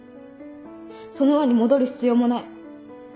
その輪に戻る必要もない。